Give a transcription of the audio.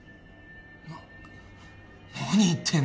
な何言ってんだよ。